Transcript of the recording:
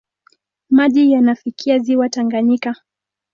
Maji yanafikia ziwa Tanganyika.